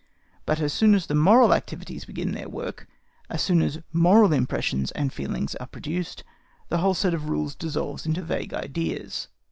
But as soon as the moral activities begin their work, as soon as moral impressions and feelings are produced, the whole set of rules dissolves into vague ideas.